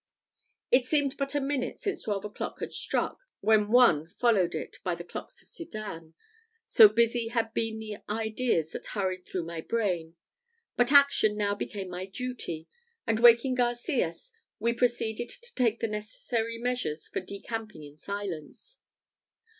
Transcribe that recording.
It seemed but a minute since twelve o'clock had struck, when one followed it by the clocks of Sedan so busy had been the ideas that hurried through my brain. But action now became my duty; and waking Garcias, we proceeded to take the necessary measures for decamping in silence.